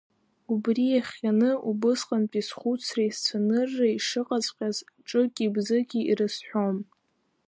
Убри иахҟьаны убысҟантәи схәыцреи сцәанырреи шыҟаҵәҟьаз ҿыки-бзыки ирызҳәом.